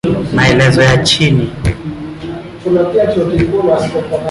Maelezo ya chini